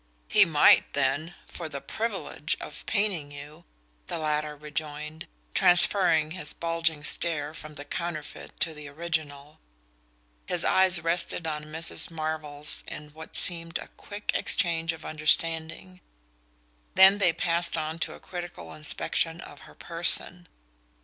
"He might, then for the privilege of painting you!" the latter rejoined, transferring his bulging stare from the counterfeit to the original. His eyes rested on Mrs. Marvell's in what seemed a quick exchange of understanding; then they passed on to a critical inspection of her person.